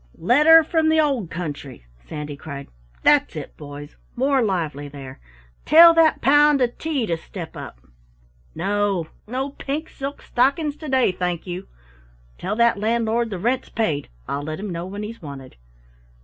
"Letter from the Old Country," Sandy cried. "That's it, boys, more lively there. Tell that Pound of Tea to step up No, no pink silk stockings to day, thank you. Tell that Landlord the rent's paid, I'll let him know when he's wanted.